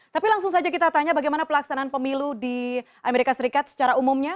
tapi langsung saja kita tanya bagaimana pelaksanaan pemilu di amerika serikat secara umumnya